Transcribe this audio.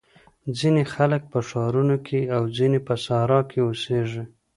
ځینې خلګ په ښارونو کي او ځینې په صحرا کي اوسېږي.